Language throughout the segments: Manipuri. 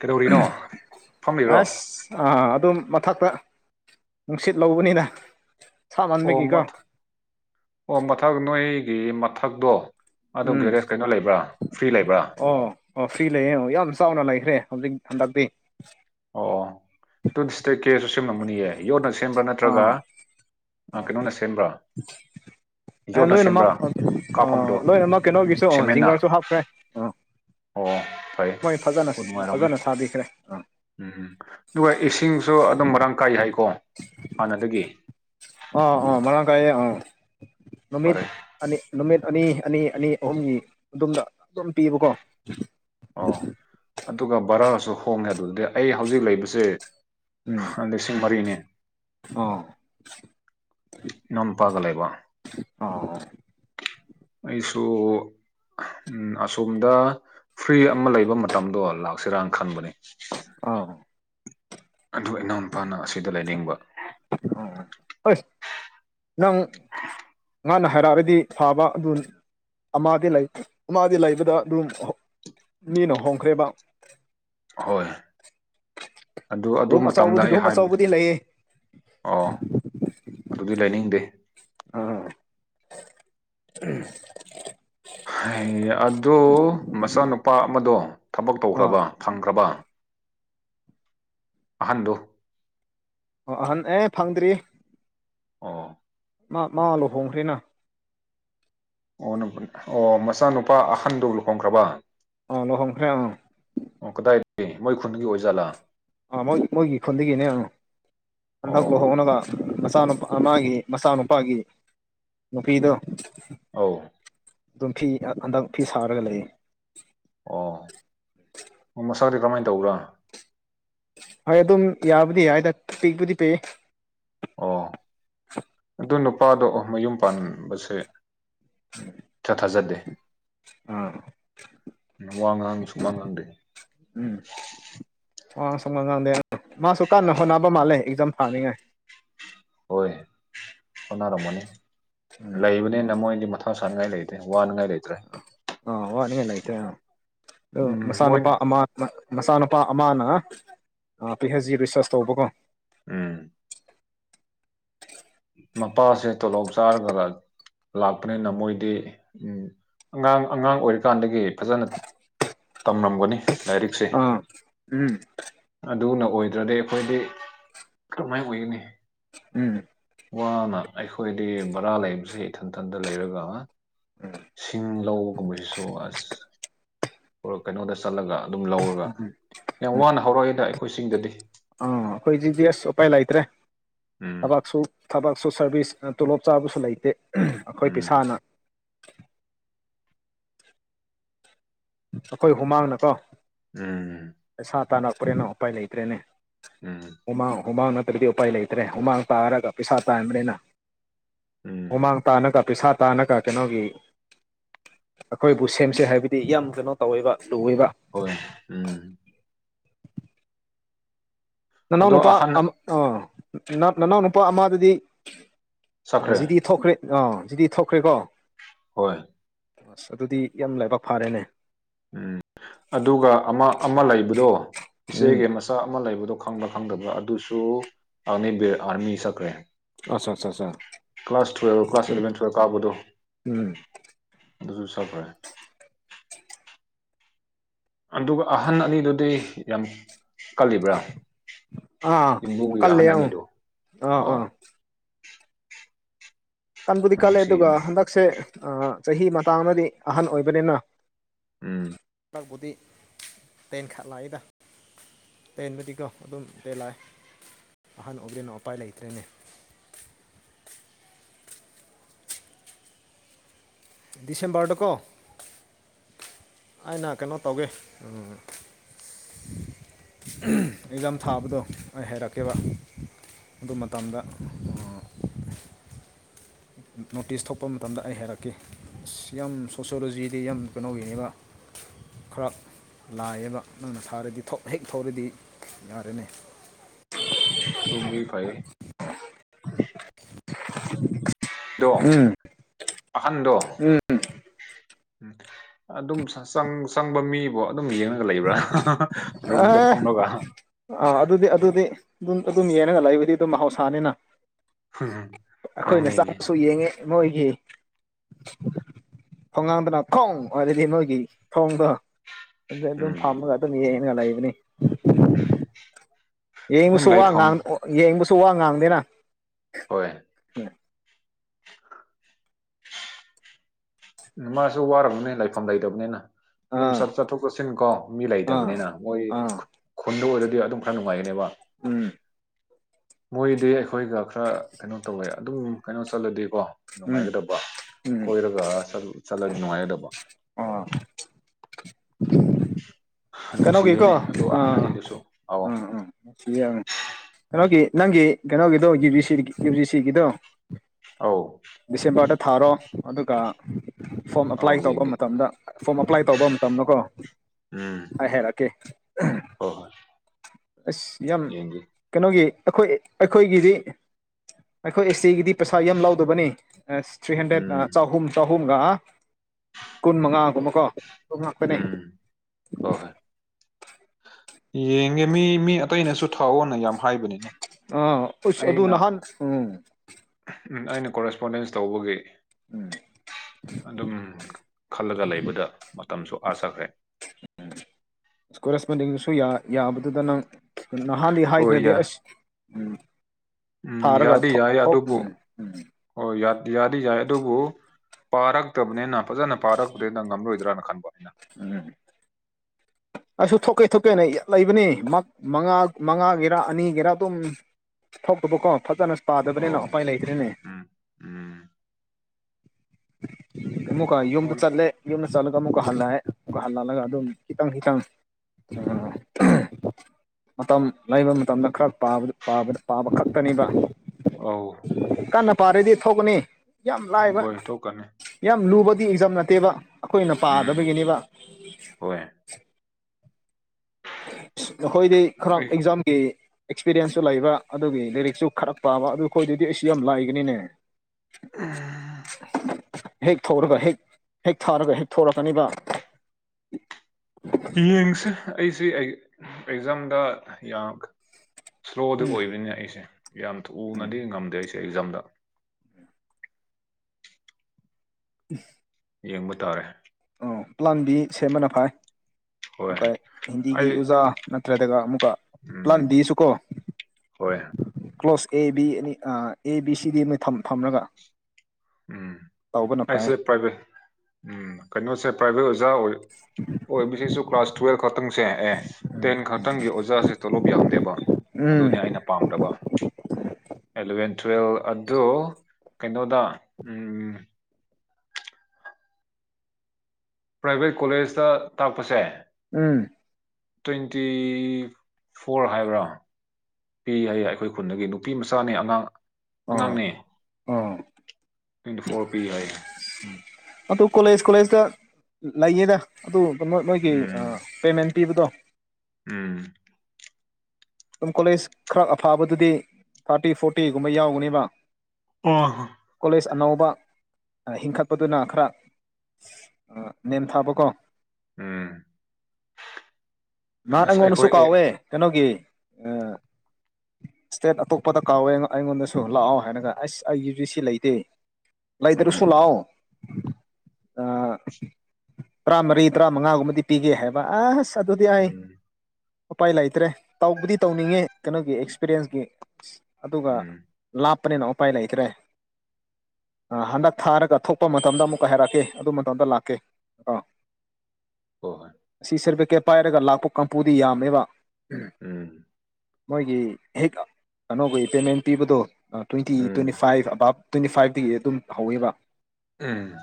ꯀꯩꯗꯧꯔꯤꯅꯣ ꯐꯝꯂꯤꯔꯣ ꯑꯁ ꯑꯥ ꯑꯗꯨꯝ ꯃꯊꯛꯇ ꯅꯨꯡꯁꯤꯠ ꯂꯧꯕꯅꯤꯅ ꯑꯣ ꯁꯥꯃꯟꯕꯒꯤꯀꯣ ꯃꯠ ꯑꯣ ꯃꯊꯛ ꯅꯣꯏꯒꯤ ꯃꯊꯛꯗꯣ ꯑꯗꯨ ꯎꯝ ꯒꯦꯔꯦꯖ ꯀꯩꯅꯣ ꯂꯩꯕ꯭ꯔꯥ ꯐ꯭ꯔꯤ ꯂꯩꯕ꯭ꯔꯥ ꯏꯇꯥꯎꯅ ꯂꯩꯈ꯭ꯔꯦ ꯍꯧꯖꯤꯛ ꯍꯟꯗꯛꯇꯤ ꯆꯨꯃꯝꯒꯅꯤꯌꯦ ꯌꯣꯠꯅ ꯁꯦꯝꯕ꯭ꯔꯥ ꯅꯠꯇ꯭ꯔꯒ ꯑꯥ ꯀꯩꯅꯣꯅ ꯁꯦꯝꯕ꯭ꯔꯥ ꯑꯦ ꯌꯣꯠꯅ ꯁꯦꯝꯕ꯭ꯔꯥ ꯂꯣꯏꯅꯃꯛ ꯑꯥ ꯀꯥꯞꯐꯝꯗꯣ ꯂꯣꯏꯅꯃꯛ ꯀꯩꯅꯣꯒꯤꯁꯨ ꯁꯤꯃꯦꯟꯅ ꯖꯤꯡꯒꯥꯔꯁꯨ ꯍꯥꯞꯈ꯭ꯔꯦ ꯑꯥ ꯑꯣ ꯐꯩ ꯃꯣꯏ ꯐꯖꯅ ꯑꯣ ꯅꯨꯡꯉꯥꯏꯔꯝꯅꯤ ꯐꯖꯅ ꯁꯥꯕꯤꯈ꯭ꯔꯦ ꯑꯥ ꯎꯝ ꯑꯗꯨꯒ ꯏꯁꯤꯡꯁꯨ ꯑꯗꯨꯝ ꯃꯔꯥꯡ ꯀꯥꯏ ꯍꯥꯏꯀꯣ ꯍꯥꯟꯅꯗꯒꯤ ꯑꯥ ꯑꯥ ꯃꯔꯥꯡ ꯀꯥꯏꯌꯦ ꯑꯥ ꯅꯨꯃꯤꯠ ꯐꯔꯦ ꯑꯅꯤ ꯅꯨꯃꯤꯠ ꯑꯅꯤ ꯑꯅꯤ ꯑꯅꯤ ꯑꯍꯨꯝ ꯗꯨꯝꯅ ꯑꯗꯨꯝ ꯄꯤꯌꯦꯕꯀꯣ ꯑꯣ ꯑꯗꯨꯒ ꯚꯔꯥꯁꯨ ꯍꯣꯡꯉꯦ ꯑꯗꯨꯗꯤ ꯑꯩ ꯍꯧꯖꯤꯛ ꯂꯩꯕꯁꯦ ꯎꯝ ꯂꯤꯁꯤꯡ ꯃꯔꯤꯅꯤ ꯑꯥ ꯏꯅꯥꯎ ꯅꯨꯄꯥꯒ ꯂꯩꯕ ꯑꯥ ꯑꯩꯁꯨ ꯎꯝ ꯑꯁꯣꯝꯗ ꯐ꯭ꯔꯤ ꯑꯃ ꯂꯩꯕ ꯃꯇꯝꯗꯣ ꯂꯥꯛꯁꯤꯔꯅ ꯈꯟꯕꯅꯤ ꯑꯥ ꯑꯗꯨ ꯏꯅꯥꯎ ꯅꯨꯨꯄꯥꯅ ꯑꯁꯤꯗ ꯂꯩꯅꯤꯡꯕ ꯑꯣ ꯑꯦꯁ ꯅꯪ ꯉꯅ ꯍꯥꯏꯔꯛꯑꯗꯤ ꯐꯥꯕ ꯑꯗꯨ ꯑꯃꯗꯤ ꯂꯩ ꯑꯃꯗꯤ ꯂꯩꯕꯗ ꯑꯗꯨꯝ ꯃꯤꯅ ꯍꯣꯡꯈ꯭ꯔꯦꯕ ꯍꯣꯏ ꯑꯗꯨ ꯑꯗꯨ ꯔꯨꯝ ꯃꯇꯝꯗ ꯑꯆꯧꯕꯗꯤ ꯑꯩ ꯔꯨꯝ ꯍꯥꯏꯕꯅꯤ ꯑꯆꯧꯕꯗꯤ ꯂꯩꯌꯦ ꯑꯣ ꯑꯗꯨꯗꯤ ꯂꯩꯅꯤꯡꯗꯦ ꯎꯝ ꯍꯥꯏ ꯑꯗꯨ ꯃꯆꯥꯅꯨꯄꯥ ꯑꯃꯗꯣ ꯊꯕꯛ ꯑꯥ ꯇꯧꯈ꯭ꯔꯕ ꯐꯪꯈ꯭ꯔꯕ ꯑꯍꯟꯗꯣ ꯑꯣ ꯑꯍꯟ ꯑꯦ ꯐꯪꯗ꯭ꯔꯤ ꯑꯣ ꯃꯥ ꯃꯥ ꯂꯨꯍꯣꯡꯈ꯭ꯔꯦꯅ ꯑꯣ ꯑꯣ ꯃꯆꯥꯅꯨꯄꯥ ꯑꯍꯟꯗꯣ ꯂꯨꯍꯣꯡꯈ꯭ꯔꯕ ꯑꯥ ꯂꯨꯍꯣꯡꯈ꯭ꯔꯦ ꯑꯥ ꯑꯣ ꯃꯣꯏ ꯈꯨꯟꯒꯤ ꯑꯣꯏ ꯖꯥꯠꯂ ꯑꯥ ꯃꯣꯏ ꯃꯣꯏꯒꯤ ꯈꯨꯟꯗꯒꯤꯅꯦ ꯍꯟꯗꯛ ꯑꯣ ꯂꯨꯍꯣꯡꯂꯒ ꯃꯆꯥꯅꯨ ꯃꯒꯤ ꯃꯆꯥꯅꯨꯄꯥꯒꯤ ꯅꯨꯄꯤꯗꯣ ꯑꯧ ꯑꯗꯨꯝ ꯐꯤ ꯍꯟꯗꯛ ꯐꯤ ꯁꯥꯔꯒ ꯂꯩ ꯑꯣ ꯃꯁꯥꯛꯗꯤ ꯀꯃꯥꯏꯟ ꯇꯧꯕ꯭ꯔ ꯍꯣꯏ ꯑꯗꯨꯝ ꯌꯥꯕꯨꯗꯤ ꯌꯥꯏꯗ ꯄꯤꯛꯕꯨꯗꯤ ꯄꯤꯛꯏ ꯑꯣ ꯑꯗꯨ ꯅꯨꯄꯥꯗꯣ ꯃꯌꯨꯝ ꯄꯥꯟꯕꯁꯦ ꯏꯊꯥ ꯊꯥꯖꯗꯦ ꯑꯥ ꯋꯥ ꯉꯥꯡꯁꯨ ꯁꯨꯉꯥꯡ ꯉꯥꯡꯗꯦ ꯎꯝ ꯋꯥ ꯁꯨꯉꯥꯡ ꯉꯥꯡꯗꯦ ꯃꯁꯨ ꯀꯟꯅ ꯍꯣꯠꯅꯕ ꯃꯜꯂꯦ ꯑꯦꯛꯖꯥꯝ ꯊꯅꯤꯡꯉꯥꯏ ꯍꯣꯏ ꯍꯣꯠꯅꯔꯝꯃꯅꯤ ꯎꯝ ꯂꯩꯕꯅꯤꯅ ꯃꯣꯏꯗꯤ ꯃꯊꯥ ꯁꯥꯅꯤꯡꯉꯥꯏ ꯂꯩꯇꯦ ꯋꯥꯅꯤꯡꯉꯥꯏ ꯂꯩ ꯑꯥ ꯋꯥꯅꯤꯡꯉꯥꯏ ꯂꯩꯇꯦ ꯑꯥ ꯑꯗꯨ ꯎꯝ ꯃꯣꯏꯅ ꯃꯆꯥꯅꯨꯄꯥ ꯑꯃ ꯃꯆꯥꯅꯨꯄꯥ ꯑꯃꯅ ꯄꯤ ꯍꯩꯁ ꯖꯤ ꯔꯤꯁꯔꯁ ꯇꯧꯕꯀꯣ ꯎꯝ ꯃꯄꯥꯁꯦ ꯇꯣꯂꯣꯞ ꯆꯥꯔꯒ ꯂꯥꯛꯄꯅꯤꯅ ꯃꯣꯏꯗꯤ ꯎꯝ ꯑꯉꯥꯡ ꯑꯉꯥꯡ ꯑꯣꯏꯔꯤꯀꯥꯟꯗꯒꯤ ꯐꯖꯅ ꯇꯝꯂꯝꯒꯅꯤ ꯂꯥꯏꯔꯤꯛꯁꯦ ꯑꯥ ꯎꯝ ꯑꯗꯨꯅ ꯑꯣꯏꯗ꯭ꯔꯗꯤ ꯑꯈꯣꯏꯗꯤ ꯀꯔꯝꯃꯥꯏꯟ ꯑꯣꯏꯒꯅꯤ ꯎꯝ ꯋꯥꯅ ꯑꯩꯈꯣꯏꯗꯤ ꯕꯔꯥ ꯂꯩꯕꯁꯦ ꯏꯊꯟ ꯏꯊꯟꯗ ꯂꯩꯔꯒ ꯎꯝ ꯎꯝ ꯂꯧꯕ ꯒꯨꯝꯕꯁꯤꯁꯨ ꯑꯁ ꯄꯨ ꯀꯩꯅꯣꯗ ꯆꯠꯂꯒ ꯑꯗꯨꯝ ꯂꯧꯔꯒ ꯌꯥꯝ ꯋꯥꯅ ꯍꯧꯔꯛꯑꯦꯗ ꯑꯈꯣꯏꯆꯤꯡꯗꯗꯤ ꯑꯣ ꯑꯈꯣꯏꯖꯤꯗꯤ ꯑꯁ ꯎꯄꯥꯏ ꯂꯩꯇ꯭ꯔꯦ ꯎꯝ ꯊꯕꯛꯁꯨ ꯊꯕꯛ ꯁꯨ ꯁꯥꯔꯚꯤꯁ ꯇꯣꯂꯣꯞ ꯆꯥꯕꯁꯨ ꯂꯩꯇꯦ ꯑꯈꯣꯏ ꯎꯝ ꯄꯩꯁꯥꯅ ꯑꯈꯣꯏ ꯍꯨꯃꯥꯡꯅ ꯀꯣ ꯎꯝ ꯄꯩꯁꯥ ꯇꯥꯔꯛꯄ꯭ꯔꯦꯅ ꯎꯄꯥꯏ ꯂꯩꯇ꯭ꯔꯦꯅꯦ ꯎꯝ ꯎꯃꯥꯡ ꯎꯃꯥꯡ ꯅ ꯍꯥꯏꯕꯗꯤ ꯎꯄꯥꯏ ꯂꯩꯇ꯭ꯔꯦ ꯍꯨꯃꯥꯡ ꯇꯥꯔꯒ ꯄꯩꯁꯥ ꯇꯥꯥꯟꯕꯅꯤꯅ ꯎꯝ ꯍꯨꯃꯥꯡ ꯇꯥꯅꯒ ꯄꯩꯁꯥ ꯇꯥꯅꯒ ꯀꯩꯅꯣꯒꯤ ꯑꯩꯈꯣꯏꯕꯨ ꯁꯦꯝꯁꯦ ꯍꯥꯏꯕꯗꯤ ꯌꯥꯝ ꯀꯩꯅꯣ ꯇꯧꯋꯦꯕ ꯂꯨꯋꯦꯕ ꯍꯣꯏ ꯎꯝ ꯅꯅꯥꯎ ꯑꯗꯣ ꯅꯨꯄꯥ ꯑꯍꯟ ꯅꯅꯥꯎ ꯅꯨꯄꯥ ꯑꯃꯗꯨꯗꯤ ꯁꯛꯈ꯭ꯔꯦ ꯖꯤꯔꯤ ꯊꯣꯛꯈ꯭ꯔꯦ ꯑꯥ ꯖꯤꯔꯤ ꯊꯣꯛꯈ꯭ꯔꯦꯀꯣ ꯍꯣꯏ ꯑꯁ ꯑꯗꯨꯗꯤ ꯌꯥꯝ ꯂꯥꯏꯕꯛ ꯐꯥꯔꯦꯅꯦ ꯎꯝ ꯑꯗꯨꯒ ꯑꯃ ꯑꯃ ꯂꯩꯕꯗꯣ ꯎꯝ ꯏꯆꯦꯒꯤ ꯃꯆꯥ ꯑꯃ ꯂꯩꯕꯗꯣ ꯈꯪꯕ ꯈꯪꯗꯕ ꯑꯗꯨꯁꯨ ꯑꯒꯅꯤꯕꯤꯔ ꯑꯥꯔꯃꯤ ꯆꯠꯈ꯭ꯔꯦ ꯑꯠꯆꯥ ꯑꯠꯆꯥ ꯑꯠꯆꯥ ꯀ꯭ꯂꯥꯁ ꯇꯨꯋꯦꯜꯄ ꯀ ꯀ꯭ꯂꯥꯁ ꯏꯂꯚꯦꯟ ꯇꯨꯋꯦꯜꯄ ꯀꯥꯕꯗꯣ ꯎꯝ ꯑꯗꯨꯁꯨ ꯁꯈꯔꯦ ꯑꯗꯨꯒ ꯑꯍꯟ ꯑꯅꯤꯗꯨꯗꯤ ꯌꯥꯝ ꯀꯜꯂꯤꯕ꯭ꯔꯥ ꯑꯥ ꯌꯨꯝꯕꯨꯒꯤꯔ ꯀꯜꯂꯦ ꯑꯍꯟ ꯑꯪ ꯑꯅꯤꯗꯨ ꯑꯥ ꯑꯣ ꯑꯥ ꯀꯟꯕꯨꯗꯤ ꯀꯜꯂꯦ ꯑꯗꯨꯒ ꯅꯨꯡꯁꯤꯌꯦꯅꯦ ꯍꯟꯗꯛꯁꯦ ꯆꯍꯤ ꯃꯇꯥꯡꯗꯗꯤ ꯑꯍꯟ ꯑꯣꯏꯕꯅꯤꯅ ꯎꯝ ꯇꯂꯥꯛꯕꯨꯗꯤ ꯇꯦꯟ ꯈꯥ ꯂꯥꯏꯗ ꯇꯦꯟꯕꯗꯤꯀꯣ ꯑꯗꯨꯝ ꯇꯦꯜꯂꯥꯛꯑꯦ ꯑꯍꯟ ꯑꯣꯏꯕ꯭ꯔꯦꯅ ꯎꯄꯥꯏ ꯂꯩꯇ꯭ꯔꯦꯅꯦ [inaudible] ꯗꯤꯁꯦꯝꯕꯔꯗꯀꯣ ꯑꯩꯅ ꯀꯩꯅꯣ ꯇꯧꯒꯦ ꯎꯝ [inaudible] ꯑꯦꯛꯖꯥꯝ ꯊꯥꯕꯗꯣ ꯑꯩ ꯍꯥꯏꯔꯛꯀꯦꯕ ꯑꯗꯨ ꯃꯇꯝꯗ [inaudible] ꯅꯣꯇꯤꯁ ꯊꯣꯛꯄ ꯃꯇꯝꯗ ꯑꯩ ꯍꯥꯏꯔꯛꯈꯤ ꯑꯁ ꯌꯥꯝ ꯁꯣꯁꯌꯣꯂꯣꯖꯤꯗꯤ ꯌꯥꯝ ꯀꯩꯅꯣꯒꯤꯅꯦꯕ ꯈ꯭ꯔꯛ ꯂꯥꯏꯑꯕ ꯅꯪꯅ ꯁꯥꯔꯗꯤ ꯍꯦꯛ ꯊꯧꯔꯗꯤ ꯌꯥꯔꯅꯤ ꯇꯨꯡꯒꯤ ꯄꯥꯏ [inaudible] ꯗꯣ ꯎꯝ ꯑꯍꯟꯗꯣ ꯎꯝ ꯑꯗꯨꯝ ꯆꯪ ꯆꯪꯕ ꯃꯤꯕꯣ ꯑꯗꯨꯝ ꯌꯦꯡꯉꯒ ꯂꯩꯕ꯭ꯔꯥ ꯔꯨꯝꯗ ꯑ ꯐꯝꯂꯒ ꯑ ꯑꯗꯨꯗꯤ ꯑꯗꯨ ꯑꯗꯨꯗꯤ ꯑꯗꯨꯝ ꯑꯗꯨꯝ ꯌꯦꯡꯉꯒ ꯂꯩꯥꯕꯗꯤ ꯑꯗꯨꯝ ꯃꯍꯧꯁꯥꯅꯤꯅ ꯑꯩꯈꯣꯏꯅ ꯅꯣꯛꯅꯤꯡꯉꯦ ꯆꯪꯕꯁꯨ ꯌꯦꯡꯉꯦ ꯃꯣꯏꯒꯤ ꯈꯣꯡꯉꯥꯡꯗꯅ ꯊꯣꯡ ꯍꯥꯏꯔꯗꯤ ꯅꯣꯏꯒꯤ ꯊꯣꯡꯗꯣ ꯑꯗꯨ ꯑꯗꯨꯝ ꯎꯝ ꯐꯝꯃꯒ ꯑꯗꯨꯝ ꯌꯦꯡꯒ ꯂꯩꯕꯅꯤ ꯎꯝ ꯑꯗꯨꯝ ꯌꯦꯡꯕꯁꯨ ꯋꯥ ꯂꯩꯐꯝ ꯉꯥꯡ ꯌꯦꯡꯕꯁꯨ ꯋꯥ ꯉꯥꯡꯗꯦꯅ ꯍꯣꯏ ꯃꯥꯁꯨ ꯋꯥꯔꯝꯕꯅꯤ ꯂꯩꯐꯝ ꯂꯩꯇꯕꯅꯤꯅ ꯑꯗꯨꯝ ꯑꯥ ꯆꯠꯊꯣꯛ ꯆꯠꯁꯤꯟ ꯀꯣ ꯃꯤ ꯑꯥ ꯂꯩꯇꯕꯅꯤꯅ ꯃꯣꯏ ꯑꯥ ꯈꯨꯟꯗ ꯑꯣꯏꯔ ꯑꯗꯨꯝ ꯈꯔ ꯅꯨꯉꯥꯏꯒꯅꯤꯕ ꯎꯝ ꯃꯣꯏꯗꯤ ꯑꯩꯈꯣꯏꯒ ꯈꯔ ꯀꯩꯅꯣ ꯇꯧꯋꯦ ꯑꯗꯨꯝ ꯀꯩꯅꯣ ꯆꯠꯂꯗꯤꯀꯣ ꯎꯝ ꯅꯨꯡꯉꯥꯏꯒꯗꯕ ꯎꯝ ꯀꯣꯏꯔꯒ ꯆꯜ ꯆꯠꯂꯒ ꯅꯨꯡꯉꯥꯏꯒꯗꯕ ꯑꯥ ꯀꯩꯅꯣꯒꯤꯀꯣ ꯅꯨꯡꯁꯤꯌꯦꯅꯦ ꯑꯗꯣ ꯑꯥ ꯑꯍꯟ ꯑꯥ ꯑꯅꯤꯗꯨꯁꯨ ꯑꯧ ꯎꯝ ꯎꯝ ꯁꯖ ꯀꯩꯅꯣꯒꯤ ꯅꯪꯒꯤ ꯀꯩꯅꯣꯒꯤꯗꯣ U B C U G ꯁꯤꯒꯤꯗꯣ ꯑꯧ ꯗꯤꯁꯦꯝꯕꯔꯗ ꯊꯥꯔꯣ ꯑꯗꯨꯒ ꯐꯣꯝ ꯑꯦꯄ꯭ꯂꯥꯏ ꯑꯧ ꯇꯧꯕ ꯌꯦꯡꯒꯦ ꯃꯇꯝꯗ ꯐꯣꯝ ꯑꯦꯄ꯭ꯂꯥꯏ ꯇꯧꯕ ꯃꯇꯝꯗꯀꯣ ꯎꯝ ꯑꯩ ꯍꯥꯔꯛꯀꯦ ꯍꯣꯏ ꯍꯣꯏ ꯑꯁ ꯌꯥꯝ ꯌꯦꯡꯒꯦ ꯀꯩꯅꯣꯒꯤ ꯑꯩꯈꯣꯏ ꯑꯩꯈꯣꯏꯒꯤꯗꯤ ꯑꯩꯈꯣꯏ ꯑꯦꯁ ꯇꯤꯒꯤꯗꯤ ꯄꯩꯁꯥ ꯌꯥꯝ ꯂꯧꯗꯕꯅꯤ ꯑꯦꯁ ꯊ꯭ꯔꯤ ꯍꯟꯗ꯭ꯔꯦꯅ ꯎꯝ ꯆꯍꯨꯝ ꯆꯍꯨꯝꯒ ꯀꯨꯟ ꯃꯉꯥꯒꯨꯝꯕ ꯀꯣ ꯑꯗꯨ ꯉꯥꯛꯇꯅꯦ ꯍꯣꯍꯣꯏ ꯌꯦꯡꯒꯦ ꯃꯤ ꯃꯤ ꯑꯇꯩꯅꯁꯨ ꯊꯥꯛꯑꯣꯅ ꯌꯥꯝ ꯍꯥꯏꯕꯅꯤꯅꯦ ꯑꯥ ꯎꯁ ꯑꯗꯨ ꯑꯩꯅ ꯅꯍꯥꯟ ꯎꯝ ꯎꯝ ꯑꯩꯅ ꯀꯣꯔꯦꯁꯄꯣꯟꯗꯦꯟꯁ ꯇꯧꯕꯒꯤꯥ ꯎꯝ [inaudible] ꯑꯗꯨꯝ ꯈꯜꯂꯒ ꯂꯩꯕꯗ ꯃꯇꯝꯁꯨ ꯑꯥꯖꯈ꯭ꯔꯦ ꯀꯣꯔꯁꯄꯣꯗꯤꯡꯁꯨ ꯌꯥ ꯌꯥꯕꯗꯨꯗ ꯅꯪ ꯅꯍꯥꯟꯗꯤ ꯍꯣꯏ ꯍꯥꯏꯈ꯭ꯔꯗꯤ ꯌꯥꯏ ꯑꯁ ꯎꯝ ꯎꯝ ꯊꯥꯔꯒ ꯌꯥꯗꯤ ꯊꯣꯛ ꯌꯥꯏ ꯊꯣꯛ ꯑꯗꯨꯕꯨ ꯎꯝ ꯎꯝ ꯍꯣꯏ ꯌꯥ ꯌꯥꯗꯤ ꯌꯥꯏ ꯑꯗꯨꯕꯨ ꯄꯥꯔꯛꯇꯕꯅꯦꯅ ꯐꯖꯅ ꯄꯥꯔꯛꯄꯗꯦꯅ ꯉꯝꯂꯣꯏꯗ꯭ꯔꯅ ꯈꯟꯕ ꯑꯩꯅ ꯎꯝ ꯀꯌꯅ ꯌꯥ ꯂꯩꯕꯅꯦ ꯃꯛ ꯃꯉꯥ ꯃꯉꯥꯒꯤꯔ ꯑꯅꯤꯒꯤꯔꯥ ꯑꯗꯨꯝ ꯊꯣꯛꯇꯕꯨꯀꯣ ꯐꯖꯅ ꯑꯣ ꯄꯥꯗꯕꯅꯦꯅ ꯎꯄꯥꯏ ꯂꯩꯇ꯭ꯔꯦꯅꯦ ꯎꯝ ꯎꯝ ꯑꯃꯨꯀꯥ ꯌꯨꯝꯗ ꯍꯣꯟ ꯆꯜꯂꯦ ꯌꯨꯝꯗ ꯆꯜꯂꯒ ꯑꯃꯨꯀ ꯍꯜꯂꯑꯦ ꯑꯃꯨꯛꯀ ꯍꯜꯂꯜꯂꯒ ꯑꯗꯨꯝ ꯈꯤꯇꯪ ꯈꯤꯇꯪ ꯑꯥ ꯃꯇꯝ ꯂꯩꯕ ꯃꯇꯝꯗ ꯈꯔ ꯄꯥꯕꯗꯨ ꯄꯥꯕꯥ ꯄꯕꯥ ꯈꯛꯇꯅꯤꯕ ꯑꯥꯎ ꯄꯥꯔꯗꯤ ꯊꯣꯛꯀꯅꯤ ꯌꯥꯝ ꯂꯥꯏꯕ ꯍꯣꯏ ꯊꯣꯛꯀꯅꯤ ꯌꯥꯝ ꯂꯨꯕꯗꯤ ꯑꯦꯛꯖꯥꯝ ꯅꯠꯇꯦꯕ ꯑꯩꯈꯣꯏꯅ ꯎꯝ ꯄꯥꯗꯕꯒꯤꯅꯦꯕ ꯍꯣꯏ ꯅꯈꯣꯏꯗꯤ ꯈꯔ ꯑꯩ ꯑꯦꯛꯖꯥꯝꯒꯤ ꯑꯦꯛꯁꯄꯤꯔꯤꯑꯦꯟꯁꯁꯨ ꯂꯩꯕ ꯑꯗꯨꯒꯤ ꯂꯥꯏꯔꯤꯛꯁꯨ ꯈꯔ ꯄꯥꯕ ꯑꯗꯨ ꯈꯣꯏꯗꯗꯤ ꯑꯩꯁ ꯌꯥꯝ ꯂꯥꯏꯒꯅꯤꯅꯦ [unintelligible] ꯍꯦꯛ ꯊꯧꯔꯒ ꯍꯦꯛ ꯍꯦꯛ ꯊꯥꯔꯒ ꯍꯦꯛ ꯊꯧꯔꯛꯀꯅꯤꯕ ꯌꯦꯡꯁꯦ ꯑꯩꯁꯤ ꯑꯦ ꯑꯦꯛꯖꯥꯝꯗ ꯌꯥꯛ ꯁ꯭ꯂꯣꯗꯤ ꯎꯝ ꯑꯣꯏꯕꯅꯦ ꯑꯩꯁꯦ ꯌꯥꯝ ꯊꯨꯅꯗꯤ ꯉꯝꯗꯦ ꯑꯩꯁꯦ ꯑꯦꯛꯖꯥꯝꯗ [inaudible] ꯌꯦꯡꯕ ꯇꯥꯔꯦ ꯑꯣ ꯄ꯭ꯂꯥꯟ ꯕꯤ ꯁꯦꯝꯕꯅ ꯐꯥꯏ ꯍꯣꯏ ꯑꯃꯨꯛꯀ ꯍꯤꯟꯗꯤꯒꯤ ꯑꯩ ꯑꯣꯖꯥ ꯅꯠꯇ꯭ꯔꯗꯦꯒ ꯑꯃꯨꯛꯀ ꯄ꯭ꯂꯥꯟ ꯎꯝ ꯕꯤꯁꯨꯀꯣ ꯍꯣꯏ ꯑꯦ ꯕꯤ ꯑꯅꯤ ꯑꯥ ꯑꯦ ꯕꯤ ꯁꯤꯗꯤ ꯅꯣꯏ ꯊꯝ ꯊꯝꯔꯒ ꯎꯝ ꯑꯩꯁꯦ ꯄ꯭ꯔꯥꯏꯚꯦꯠ ꯎꯝ ꯀꯩꯅꯣꯁꯦ ꯄ꯭ꯔꯥꯏꯚꯦꯠ ꯑꯣꯔꯁꯨ ꯑꯣꯖꯥ ꯑꯣꯏꯕꯁꯤꯁꯨ ꯀ꯭ꯂꯥꯁ ꯇꯨꯌꯦꯜꯞ ꯈꯛꯇꯪꯁꯦ ꯑꯦ ꯇꯦꯟ ꯈꯛꯇꯪꯒꯤ ꯑꯣꯖꯥꯁꯦ ꯇꯣꯂꯣꯞ ꯌꯥꯝꯗꯦꯕ ꯎꯝ ꯑꯗꯨꯅꯦ ꯑꯩꯅ ꯄꯥꯝꯗꯕ ꯑꯦꯂꯚꯦꯟ ꯇꯨꯋ꯭ꯂꯦꯕ ꯑꯗꯣ ꯀꯩꯅꯣꯗ ꯎꯝ ꯄ꯭ꯔꯥꯏꯚꯦꯠ ꯀꯣꯂꯦꯖꯇ ꯇꯥꯛꯄꯁꯦ ꯎꯝ ꯇ꯭ꯋꯦꯟꯇꯤ ꯐꯣꯔ ꯍꯥꯏꯕ꯭ꯔꯥ ꯄꯤ ꯍꯥꯏꯌꯦ ꯑꯩꯈꯣꯏ ꯈꯨꯟꯗꯒꯤ ꯅꯨꯄꯤ ꯃꯆꯥꯅꯦ ꯑꯉꯥꯡꯅꯦ ꯑꯣ ꯑꯉꯥꯡꯅꯦ ꯑꯣ ꯇ꯭ꯋꯦꯟꯇꯤ ꯐꯣꯔ ꯄꯤ ꯍꯥꯏ ꯑꯗꯨ ꯀꯣꯂꯦꯖ ꯀꯣꯂꯦꯖꯇ ꯂꯩꯌꯦꯗ ꯑꯗꯨ ꯃꯣꯢ ꯃꯣꯏꯒꯤ ꯎꯝ ꯄꯦꯃꯦꯟ ꯄꯤꯕꯗꯣ ꯎꯝ ꯑꯗꯨꯝ ꯀꯣꯂꯦꯖ ꯈꯔ ꯑꯐꯕꯗꯨꯗꯤ ꯊꯥꯔꯇꯤ ꯐꯣꯔꯇꯤꯒꯨꯝꯕ ꯌꯥꯎꯒꯅꯤꯕ ꯑ [unintelligible] ꯀꯣꯂꯦꯖ ꯑꯅꯧꯕ ꯂꯤꯡꯈꯠꯄꯗꯨꯅ ꯈꯔ ꯅꯦꯝꯊꯥꯕꯀꯣ ꯎꯝ ꯅꯍꯥꯟ ꯑꯁ ꯑꯩꯪꯉꯣꯟꯗꯁꯨ ꯑꯩꯈꯣꯏ ꯑꯦ ꯀꯥꯎꯋꯦ ꯀꯩꯅꯣꯒꯤ [inaudible] ꯁ꯭ꯇꯦꯠ ꯑꯇꯣꯞꯄꯗ ꯀꯧꯋꯦ ꯑꯩꯉꯣꯟꯗꯁꯨ ꯂꯥꯛꯑꯣ ꯍꯥꯏꯅꯒ ꯑꯁ ꯑꯩꯒꯤꯗꯤ ꯁꯤꯠ ꯂꯩꯇꯦ꯫ ꯎꯝ ꯂꯩꯥꯇ꯭ꯔꯁꯨ ꯂꯥꯛꯑꯣ ꯇꯔꯥꯃꯔꯤ ꯇꯔꯥꯃꯉꯥꯒꯨꯝꯕꯗꯤ ꯄꯤꯒꯦ ꯍꯥꯏꯕ ꯑꯁ ꯑꯗꯨꯗꯤ ꯑꯩ ꯎꯝ ꯎꯄꯥꯏ ꯂꯩꯇ꯭ꯔꯦ ꯇꯧꯕꯗꯤ ꯇꯧꯅꯤꯡꯉꯤ ꯀꯩꯅꯣꯒꯤ ꯑꯦꯛꯁꯄꯤꯔꯤꯌꯦꯟꯁꯀꯤ ꯑꯗꯨꯒ ꯎꯝ ꯂꯥꯞꯄꯅꯤꯅ ꯎꯄꯥꯏ ꯂꯩꯇ꯭ꯔꯦ ꯍꯟꯗꯛ ꯊꯥꯔꯒ ꯊꯣꯛꯄ ꯃꯇꯝꯗ ꯑꯃꯨꯛꯀ ꯍꯥꯏꯔꯛꯀꯦ ꯑꯗꯨ ꯃꯇꯝꯗ ꯂꯥꯛꯀꯦ ꯀꯣ ꯍꯣꯏ ꯍꯣꯏ ꯑꯁꯤ ꯁ꯭ꯔꯗꯤꯄꯤꯀꯦꯠ ꯄꯥꯏꯔꯒ ꯂꯥꯛꯄ ꯀꯥꯡꯕꯨꯨꯗꯤ ꯌꯥꯝꯃꯦꯕ ꯎꯝ ꯃꯣꯏꯒꯤ ꯍꯦꯛ ꯑꯅꯧꯕ꯫ꯄꯦꯃꯦꯟ ꯄꯤꯕꯗꯣ ꯇ꯭ꯋꯦꯟꯇꯤ ꯎꯝ ꯇ꯭ꯋꯦꯟꯇꯤ ꯐꯥꯏꯞ ꯑꯕꯞ ꯇ꯭ꯋꯦꯟꯇꯤ ꯐꯥꯏꯚꯇꯒꯤ ꯑꯗꯨꯝ ꯍꯧꯋꯦꯕ ꯎꯝ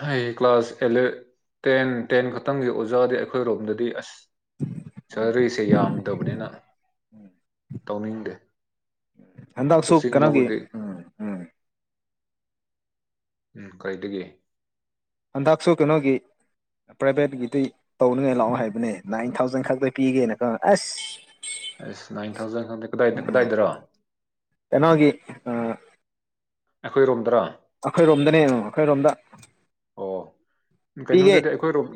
ꯍꯩ ꯀ꯭ꯂꯥꯁ ꯑꯦꯂꯦ [unintelligible] ꯇꯦꯟ ꯈꯛꯇꯪꯒꯤ ꯑꯣꯖꯥꯗꯤ ꯑꯩꯈꯣꯏ ꯔꯣꯝꯗꯗꯤ ꯑꯁ ꯁꯦꯂꯔꯤꯁꯦ ꯌꯥꯝꯗꯕꯅꯤꯅ ꯇꯧꯅꯤꯡꯗꯦ ꯍꯟꯗꯛꯁꯨ ꯀꯣꯆꯤꯡ ꯀꯩꯅꯣꯒꯤ ꯂꯧꯔꯗꯤ ꯎꯝ ꯎꯝ ꯎꯝ ꯀꯩꯗꯒꯤ ꯍꯟꯗꯛꯁꯨ ꯀꯩꯅꯣꯒꯤ ꯄ꯭ꯔꯥꯏꯚꯦꯠꯀꯤꯗꯤ ꯇꯧꯅꯤꯡꯉꯥꯗꯤ ꯂꯥꯛꯑꯣ ꯍꯥꯏꯕꯅꯦ ꯅꯥꯏꯟ ꯊꯥꯎꯖꯟ ꯈꯛꯇ ꯄꯤꯒꯦꯅ ꯀꯣ ꯑꯁ ꯑꯁ ꯅꯥꯏꯟ ꯊꯥꯎꯖꯟ ꯀꯗꯥꯢ ꯎꯝ ꯀꯗꯥꯏꯗꯔꯣ ꯀꯩꯅꯣꯒꯤ ꯑꯩꯈꯣꯏꯔꯣꯝꯗꯔꯥ ꯑꯩꯈꯣꯏꯔꯣꯝꯗꯅꯦ ꯑꯩꯈꯣꯏꯔꯣꯝꯗ ꯑꯣ ꯄꯤꯒꯦ ꯀꯩꯅꯣꯗꯗꯤ ꯑꯩꯈꯣꯏꯔꯣꯝ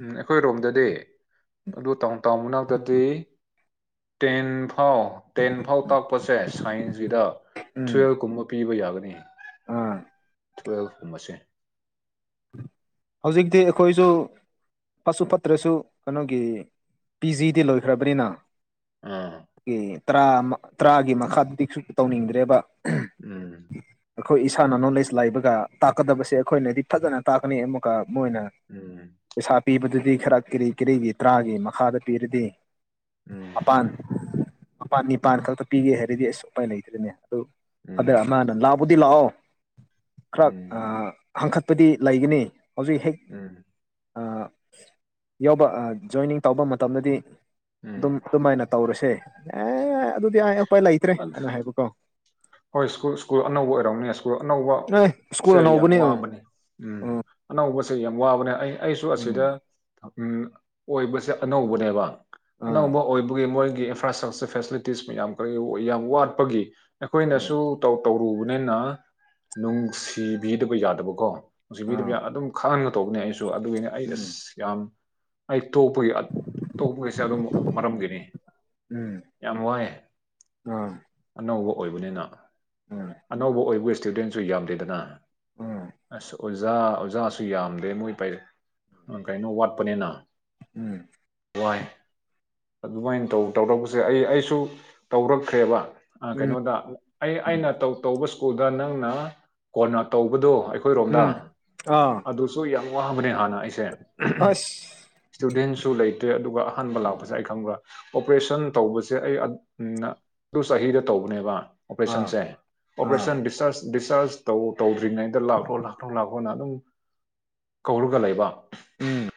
ꯎꯝ ꯑꯩꯈꯣꯏꯔꯣꯝꯗ ꯗꯤ ꯑꯗꯨ ꯇꯧꯟ ꯇꯧꯟ [unintelligible] ꯃꯅꯥꯛꯇꯗꯤ ꯇꯦꯟ ꯇꯦꯟ ꯐꯥꯎ ꯇꯥꯛꯄꯁꯦ ꯁꯥꯏꯟꯁꯒꯤꯗ ꯇꯨꯋꯦꯜꯕ ꯀꯨꯝꯕ ꯄꯤꯕ ꯌꯥꯒꯅꯤ ꯑ ꯇꯨꯋꯜꯐ ꯀꯨꯝꯕꯁꯦ ꯍꯧꯖꯤꯛꯇꯤ ꯑꯩꯈꯣꯏꯁꯨ ꯐꯠꯁꯨ ꯐꯠꯇ꯭ꯔꯁꯨ ꯀꯩꯅꯣꯒꯤ ꯄꯤ ꯖꯤꯗꯤ ꯂꯣꯏꯈ꯭ꯔꯕꯅꯤꯅ ꯑꯥ ꯇꯔꯥ ꯇꯔꯥꯒꯤ ꯃꯈꯥꯗꯗꯤ ꯀꯔꯤꯁꯨ ꯇꯧꯅꯤꯡꯗ꯭ꯔꯦꯕ ꯎꯝ ꯑꯩꯈꯣꯏ ꯏꯁꯥꯅ ꯅꯣꯂꯦꯖ ꯂꯩꯕꯒ ꯇꯥꯛꯀꯗꯕꯁꯦ ꯑꯩꯈꯣꯏꯅꯗꯤ ꯐꯖꯅ ꯇꯥꯛꯀꯅꯤ ꯑꯃꯨꯛ ꯃꯣꯏꯅ ꯎꯝ ꯄꯩꯁꯥ ꯄꯤꯕꯗꯨꯗꯤ ꯈꯔ ꯀꯤꯔꯤ ꯀꯔꯤꯒꯤ ꯇꯔꯥꯒꯤ ꯃꯈꯥꯗ ꯄꯤꯔꯗꯤ ꯎꯝ ꯃꯄꯥꯟ ꯃꯄꯥꯟ ꯅꯤꯄꯥꯟ ꯈꯛꯇ ꯄꯤꯒꯦ ꯍꯥꯏꯔꯗꯤ ꯑꯁ ꯎꯄꯥꯏ ꯂꯩꯇ꯭ꯔꯦꯅꯦ ꯑꯗꯨ ꯑꯗꯩ ꯎꯝ ꯑꯃꯅ ꯂꯥꯎꯕꯗꯤ ꯂꯥꯛꯑꯣ ꯈꯔ ꯎꯝ ꯑ ꯍꯪꯀꯠꯄꯗꯤ ꯂꯩꯒꯅꯤ ꯍꯧꯖꯤꯛ ꯍꯦꯛ ꯎꯝ ꯑꯥ ꯌꯥꯎꯕ ꯑꯥ ꯖꯣꯏꯅꯤꯡ ꯇꯧꯕ ꯃꯇꯝꯗꯗꯤ ꯎꯝ ꯑꯗꯨꯝ ꯑꯗꯨꯃꯥꯏꯅ ꯇꯧꯔꯁꯦ ꯑꯦ ꯑꯗꯨꯗꯤ ꯑ ꯎꯄꯥꯏ ꯂꯩꯇ꯭ꯔꯦ ꯑꯗ ꯑꯅ ꯍꯥꯏꯕꯀꯣ ꯍꯣꯏ ꯁ꯭ꯀꯨꯜ ꯁꯀꯨꯜ ꯑꯅꯧꯕ ꯑꯣꯏꯔꯝꯅꯤ ꯑꯅꯧꯕ ꯑꯦ ꯁ꯭ꯀꯨꯜ ꯁꯦ ꯌꯥꯝ ꯑꯅꯧꯕꯅꯦ ꯎꯝ ꯋꯥꯕꯅꯦ ꯎꯝ ꯑꯅꯧꯕꯁꯦ ꯌꯥꯝ ꯋꯥꯕꯅꯦ ꯑꯩ ꯑꯩꯁꯨ ꯎꯝ ꯑꯁꯤꯗ ꯎꯝ ꯑꯣꯏꯕꯁꯦ ꯑꯅꯧꯕꯅꯦꯕ ꯎꯝ ꯑꯅꯧꯕ ꯑꯣꯏꯕꯒꯤ ꯃꯣꯏꯒꯤ ꯏꯟꯐ꯭ꯔꯥ ꯏꯁꯇ꯭ꯔꯛꯆꯔ ꯐꯦꯁꯤꯂꯤꯇꯤꯁ ꯃꯌꯥꯝ ꯈꯔ ꯌꯥꯝ ꯋꯥꯠꯄꯒꯤ ꯑꯩꯈꯣꯏꯅꯁꯨ ꯇꯧ ꯇꯧꯔꯨꯕꯅꯤꯅ ꯅꯨꯡꯁꯤꯕꯤꯗꯕ ꯌꯥꯗꯕꯀꯣ ꯅꯨꯡꯁꯤꯕꯤꯗ ꯑꯥ ꯌꯥ ꯑꯗꯨꯝ ꯈꯪꯒ ꯇꯧꯕꯅꯦ ꯑꯩꯁꯨ ꯑꯗꯨꯒꯤꯅꯦ ꯑꯩ ꯎꯝ ꯑꯁ ꯌꯥꯝ ꯑꯩ ꯇꯣꯛꯄꯒꯤ ꯑ ꯇꯣꯛꯄꯒꯤꯁꯦ ꯑꯗꯨꯝ ꯃꯔꯝꯒꯤꯅꯤ ꯑꯥ ꯎꯝ ꯎꯝ ꯌꯥꯝ ꯋꯥꯏꯑꯦ ꯑꯥ ꯑꯅꯧꯕ ꯑꯣꯏꯕꯅꯤꯅ ꯎꯝ ꯑꯅꯧꯕ ꯑꯣꯏꯕꯨ ꯏꯁꯇꯨꯗꯦꯟꯁꯨ ꯌꯥꯝꯗꯦꯗꯅ ꯑꯁ ꯑꯣꯖꯥ ꯑꯣꯖꯥꯁꯨ ꯌꯥꯝꯗꯦ ꯃꯣꯏ ꯄꯩ ꯀꯩꯅꯣ ꯋꯥꯠꯄꯅꯤꯅ ꯎꯝ ꯋꯥꯏ ꯑꯗꯨꯃꯥꯏꯅ ꯇꯧ ꯇꯧꯔꯛꯄꯁꯦ ꯑꯩ ꯑꯩꯁꯨ ꯇꯧꯔꯛꯈ꯭ꯔꯦꯕ ꯎꯝ ꯎꯝ ꯀꯩꯅꯣꯗ ꯑꯩ ꯎꯝ ꯑꯩ ꯇꯧ ꯇꯧꯕ ꯁ꯭ꯀꯨꯜꯗ ꯅꯪꯅ ꯀꯣꯟꯅ ꯇꯧꯕꯗꯣ ꯑꯩꯈꯣꯏꯔꯣꯝꯗ ꯎꯝ ꯑꯥ ꯑꯗꯨꯁꯨ ꯌꯥꯝ ꯋꯥꯡꯕꯅꯦ ꯍꯥꯟꯅ ꯑꯩꯁꯦ ꯑꯁ ꯏꯁꯇꯨꯗꯦꯟꯁꯨ ꯂꯩꯇꯔꯦ ꯑꯗꯨꯒ ꯑꯍꯥꯟꯕ ꯂꯥꯛꯄꯁꯦ ꯑꯩ ꯈꯪꯕ꯭ꯔꯥ ꯑꯣꯄꯔꯦꯁꯟ ꯇꯧꯕꯁꯦ ꯑꯩ ꯑ ꯎꯝꯅ ꯑꯗꯨ ꯆꯍꯤꯗ ꯇꯧꯕꯅꯦꯕ ꯑꯥ ꯑꯣꯄꯔꯦꯁꯟꯁꯦ ꯑꯥ ꯑꯣꯄꯔꯦꯁꯟ ꯗꯤꯁꯔꯖ ꯗꯤꯁ ꯆꯔꯁ ꯇꯧ ꯇꯧꯗ꯭ꯔꯤꯉꯩꯗ ꯂꯥꯛꯈ꯭ꯔꯣ ꯂꯥꯛꯈ꯭ꯔꯣ ꯂꯥꯛꯈꯣꯅ ꯑꯗꯨꯝ ꯀꯧꯔꯒ ꯂꯩꯕ ꯎꯝ